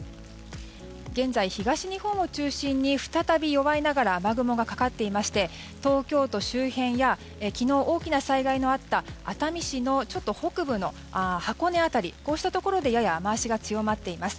現在、東日本を中心に再び弱いながら雨雲がかかっていまして東京都周辺や昨日大きな災害のあった熱海市の北部の箱根辺りといったところでやや雨脚が強まっています。